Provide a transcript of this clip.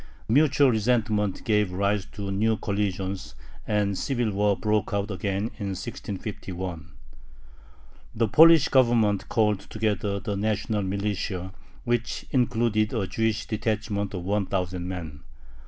Mutual resentment gave rise to new collisions, and civil war broke out again, in 1651. The Polish Government called together the national militia, which included a Jewish detachment of one thousand men.